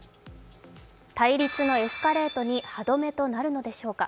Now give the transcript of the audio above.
対立のエスカレートに歯止めとなるのでしょうか。